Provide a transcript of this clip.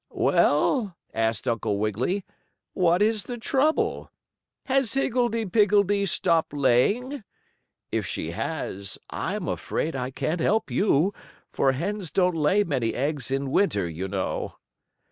"Well," asked Uncle Wiggily, "what is the trouble? Has Higgledee Piggledee stopped laying? If she has I am afraid I can't help you, for hens don't lay many eggs in winter, you know."